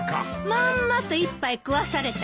まんまと一杯食わされたわ。